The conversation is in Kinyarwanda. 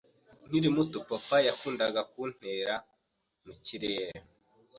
Nkiri muto, papa yakundaga kuntera mu kirere.